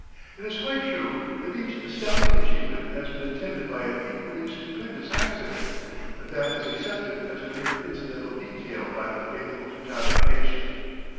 It is quite true that each astounding achievement has been attended by an equally stupendous accident, but that is accepted as a mere incidental detail by the faithful Teutonic nation.